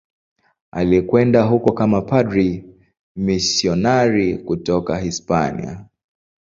Alikwenda huko kama padri mmisionari kutoka Hispania.